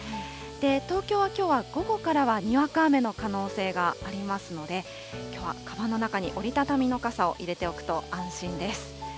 東京はきょうは午後からは、にわか雨の可能性がありますので、きょうはかばんの中に折り畳みの傘を入れておくと安心です。